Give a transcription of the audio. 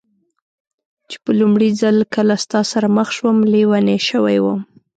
چې په لومړي ځل کله ستا سره مخ شوم، لېونۍ شوې وم.